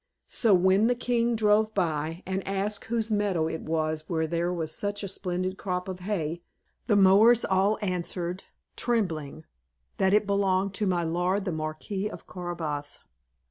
So when the king drove by, and asked whose meadow it was where there was such a splendid crop of hay, the mowers all answered, trembling, that it belonged to my lord the Marquis of Carabas.